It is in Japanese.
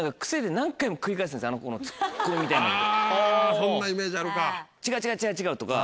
そんなイメージあるか。とか。